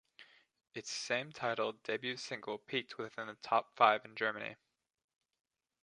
Its same-titled debut single peaked within the top five in Germany.